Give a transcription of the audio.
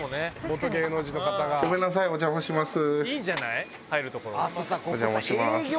お邪魔します。